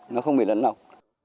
nó không bị lẫn lọc